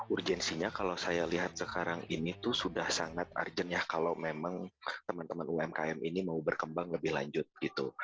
urgensinya kalau saya lihat sekarang ini tuh sudah sangat urgent ya kalau memang teman teman umkm ini mau berkembang lebih lanjut gitu